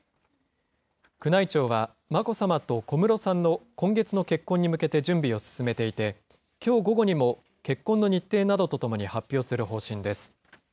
宮内庁は、眞子さまと小室さんの今月の結婚に向けて準備を進めていて、きょう午後にも結婚の日程などとともに発表する方針です。